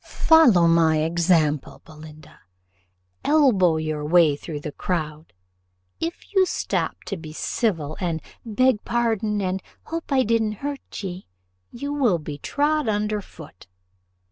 Follow my example, Belinda; elbow your way through the crowd: if you stop to be civil and beg pardon, and 'hope I didn't hurt ye,' you will be trod under foot.